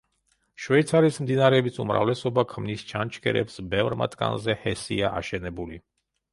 შვეიცარიის მდინარეების უმრავლესობა ქმნის ჩანჩქერებს, ბევრ მათგანზე ჰესია აშენებული.